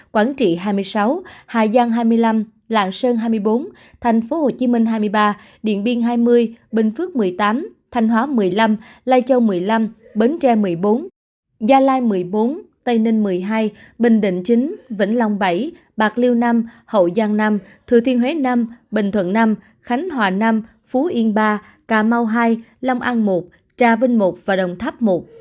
quảng trị hai mươi sáu hà giang hai mươi năm lạng sơn hai mươi bốn thành phố hồ chí minh hai mươi ba điện biên hai mươi bình phước một mươi tám thanh hóa một mươi năm lai châu một mươi năm bến tre một mươi bốn gia lai một mươi bốn tây ninh một mươi hai bình định chín vĩnh long bảy bạc liêu năm hậu giang năm thừa thiên huế năm bình thuận năm khánh hòa năm phú yên ba cà mau hai long an một tra vinh một và đồng tháp một